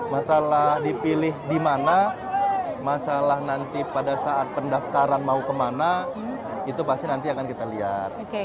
masalah dipilih di mana masalah nanti pada saat pendaftaran mau kemana itu pasti nanti akan kita lihat